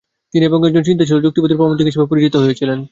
তিনি এবং একজন চিন্তাশীল ও যুক্তিবাদী প্রাবন্ধিক হিসেবে পরিচিত হয়েছিলেন।